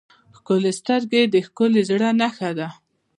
ښکلي سترګې د ښکلي زړه نښه ده.